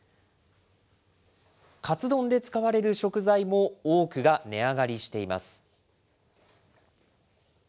カツ丼で使われる食材も多くが値上がりしています。